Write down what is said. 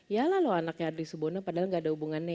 iyalah lo anaknya adli subono padahal gak ada hubungannya ya